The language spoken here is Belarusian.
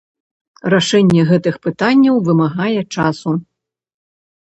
Рашэнне гэтых пытанняў вымагае часу.